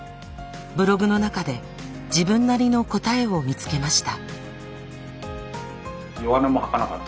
ブログの中で自分なりの答えを見つけました。